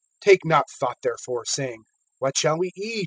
(31)Take not thought therefore, saying, What shall we eat?